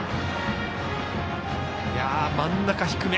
真ん中低め。